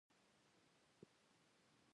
بیړه کول پښیماني راوړي